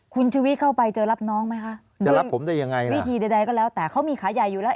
คุณชุวิตเข้าไปเจอรับน้องไหมคะจะรับผมได้ยังไงวิธีใดก็แล้วแต่เขามีขาใหญ่อยู่แล้ว